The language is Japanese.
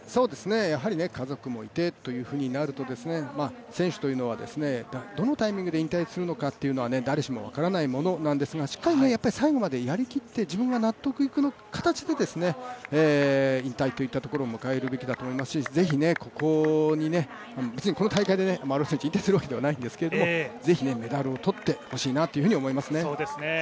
やはり家族もいると選手というのはどのタイミングで引退するのかというのは、誰しも分からないんですがしっかり最後までやりきって自分が納得いく形で引退といったところを迎えるべきだと思いますし是非ここに、別にこの大会で丸尾選手、引退をするわけではないんですけれどもぜひメダルを取ってほしいなというふうに思いますね。